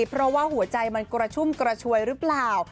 เพราะว่าหัวใจมันกระชุ่มกระชวยหรือเปล่า